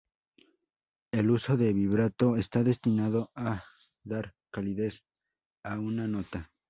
El uso del "vibrato" está destinado a dar calidez a una nota.